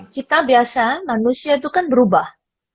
kita biasa manusia itu kan berubah